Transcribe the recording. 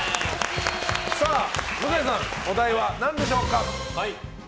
向井さん、お題は何でしょうか？